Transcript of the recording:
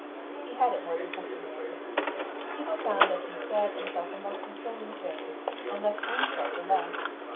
He had it more than is customary. People found that he said and felt the most consoling thing, and left unsaid the less.